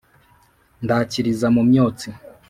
ndakiriza mu myotsi